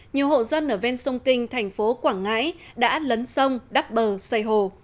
nhiều hộ dân ở ven sông kinh thành phố quảng ngãi đã lấn sông đắp bờ xây hồ